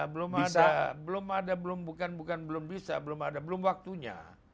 belum ada belum ada belum bukan bukan belum bisa belum ada belum waktunya